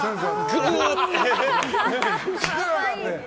グーって。